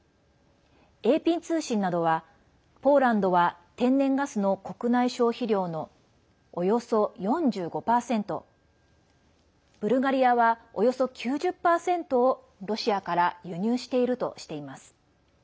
ＡＰ通信などは、ポーランドは天然ガスの国内消費量のおよそ４５％ブルガリアは、およそ９０％をロシアから輸入しているとしています。